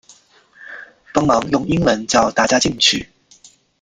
帮忙用英文叫大家进去